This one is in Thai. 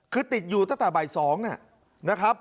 คือติดอยู่ตั้งแต่บ่าย๒นะครับ